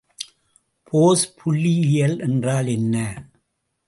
போஸ் புள்ளியியல் என்றால் என்ன?